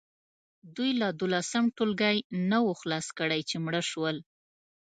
دوی لا دولسم ټولګی نه وو خلاص کړی چې مړه شول.